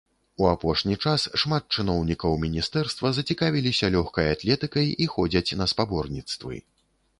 У апошні час шмат чыноўнікаў міністэрства зацікавіліся лёгкай атлетыкай і ходзяць на спаборніцтвы.